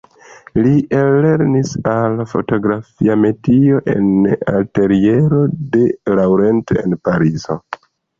Li ellernis al fotografia metio en ateliero de Laurent en Parizo.